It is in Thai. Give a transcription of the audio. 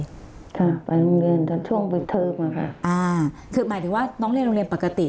ค่ะไปโรงเรียนตอนช่วงเปิดเทอมอะค่ะอ่าคือหมายถึงว่าน้องเรียนโรงเรียนปกติ